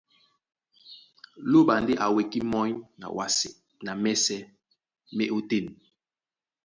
Lóɓa ndé a wekí mɔ́ny na wásē na mɛ́sɛ̄ má e ótên.